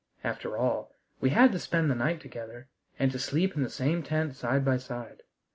After all, we had to spend the night together, and to sleep in the same tent side by side.